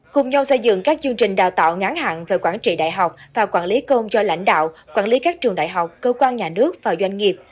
cùng nhau xây dựng các chương trình đào tạo ngắn hẳn về quản trị đại học và quản lý công do lãnh đạo quản lý các trường đại học cơ quan nhà nước và doanh nghiệp